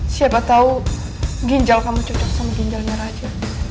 siapa tahu ginjal kamu cocok sama ginjalnya raja